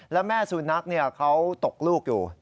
แล้วแม่สุนัขเขาตกลูกอยู่